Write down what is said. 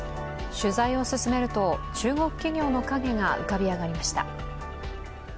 取材を進めると、中国企業の影が浮かび上がりました。